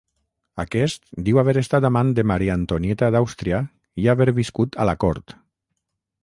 Aquest diu haver estat amant de Maria Antonieta d'Àustria i haver viscut a la cort.